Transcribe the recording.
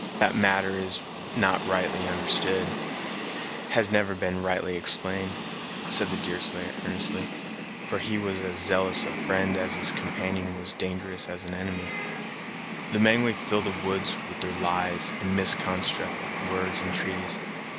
"That matter is not rightly understood has never been rightly explained," said Deerslayer earnestly, for he was as zealous a friend as his companion was dangerous as an enemy; "the Mengwe fill the woods with their lies, and misconstruct words and treaties.